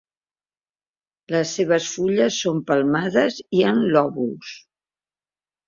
Les seves fulles són palmades i amb lòbuls.